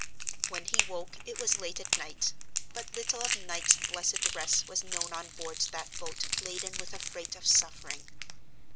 When he woke it was late at night; but little of night's blessed rest was known on board that boat laden with a freight of suffering.